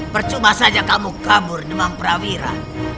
percuma saja kamu kabur demam prawira